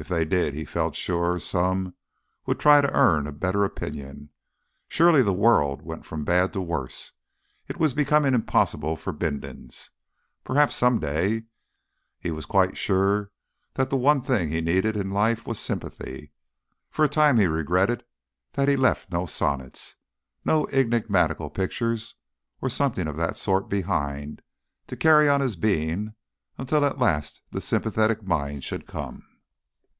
If they did he felt sure some would try to earn a better opinion. Surely the world went from bad to worse. It was becoming impossible for Bindons. Perhaps some day ... He was quite sure that the one thing he had needed in life was sympathy. For a time he regretted that he left no sonnets no enigmatical pictures or something of that sort behind him to carry on his being until at last the sympathetic mind should come....